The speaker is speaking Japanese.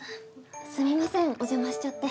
すみませんお邪魔しちゃって。